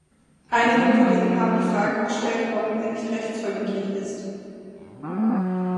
Einige Kollegen haben die Frage gestellt, warum er nicht rechtsverbindlich ist.